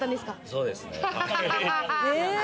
そうですね。